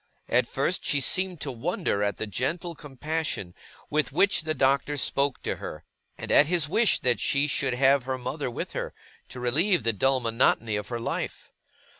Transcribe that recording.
At first, she seemed to wonder at the gentle compassion with which the Doctor spoke to her, and at his wish that she should have her mother with her, to relieve the dull monotony of her life.